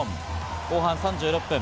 後半３６分。